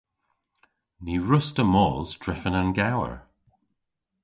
Ny wruss'ta mos drefen an gewer.